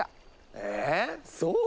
えっそう？